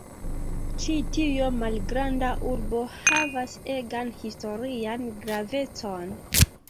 Ĉi tio malgranda urbo havas egan historian gravecon.